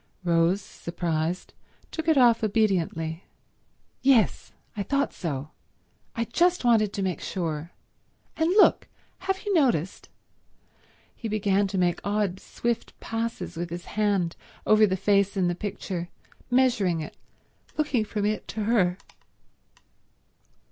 Rose, surprised, took it off obediently. "Yes—I thought so—I just wanted to make sure. And look—have you noticed—" He began to make odd swift passes with his hand over the face in the picture, measuring it, looking from it to her.